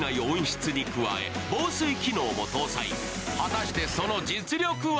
果たして、その実力は？